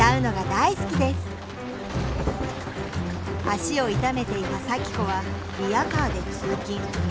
足を痛めていたサキ子はリヤカーで通勤。